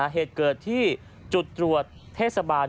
เหตุเกิดที่จุดตรวจเทศบาล